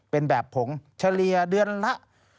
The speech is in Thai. เป็นแบบผงเฉลี่ยเดือนละ